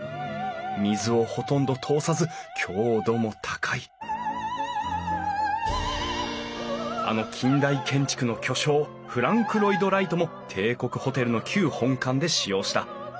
水をほとんど通さず強度も高いあの近代建築の巨匠フランク・ロイド・ライトも帝国ホテルの旧本館で使用した。